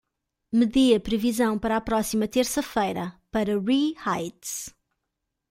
me dê a previsão para a próxima terça-feira. para Ree Heights